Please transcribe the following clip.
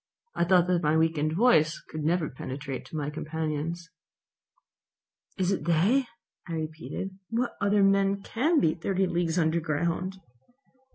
I thought that my weakened voice could never penetrate to my companions. "It is they," I repeated. "What other men can be thirty leagues under ground?"